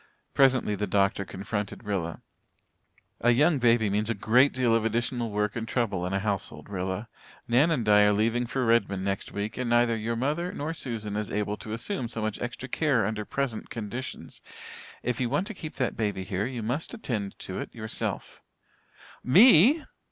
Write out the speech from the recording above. Presently the doctor confronted Rilla. "A young baby means a great deal of additional work and trouble in a household, Rilla. Nan and Di are leaving for Redmond next week and neither your mother nor Susan is able to assume so much extra care under present conditions. If you want to keep that baby here you must attend to it yourself." "Me!"